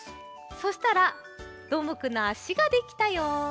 そしたらどーもくんのあしができたよ。